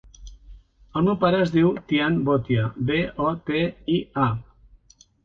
El meu pare es diu Tian Botia: be, o, te, i, a.